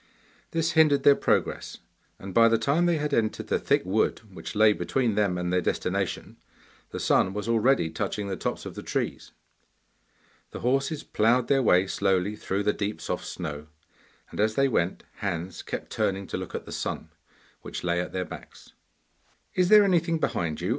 This hindered their progress, and by the time they had entered the thick wood which lay between them and their destination the sun was already touching the tops of the trees. The horses ploughed their way slowly through the deep soft snow and as they went Hans kept turning to look at the sun, which lay at their backs. 'Is there anything behind you?